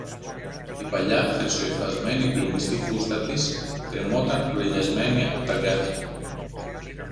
Η παλιά χρυσοϋφασμένη πλουμιστή φούστα της κρέμονταν κουρελιασμένη από τ' αγκάθια